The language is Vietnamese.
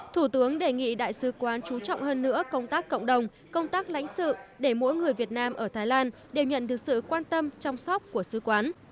thủ tướng đề nghị đại sứ quán trú trọng hơn nữa công tác cộng đồng công tác lãnh sự để mỗi người việt nam ở thái lan đều nhận được sự quan tâm chăm sóc của sứ quán